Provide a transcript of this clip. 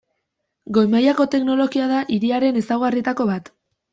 Goi-mailako teknologia da hiriaren ezaugarrietako bat.